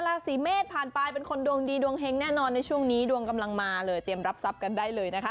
ราศีเมษผ่านไปเป็นคนดวงดีดวงเฮงแน่นอนในช่วงนี้ดวงกำลังมาเลยเตรียมรับทรัพย์กันได้เลยนะคะ